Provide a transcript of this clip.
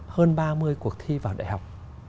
hơn ba mươi cuộc thi vào đại học